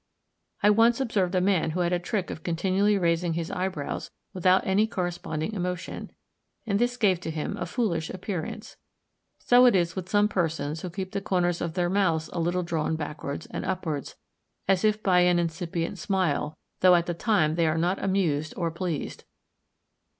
I once observed a man who had a trick of continually raising his eyebrows without any corresponding emotion, and this gave to him a foolish appearance; so it is with some persons who keep the corners of their mouths a little drawn backwards and upwards, as if by an incipient smile, though at the time they are not amused or pleased.